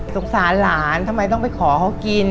สงสารหลานทำไมต้องไปขอเขากิน